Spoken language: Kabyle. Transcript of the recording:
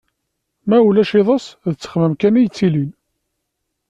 Ma ulac iḍes, d ttexmam kan i yettilin.